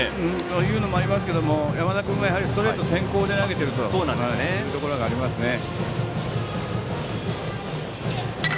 というのもありますが山田君がストレート先行で投げているというところがありますね。